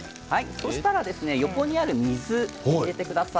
そうしたら横にある水を入れてください。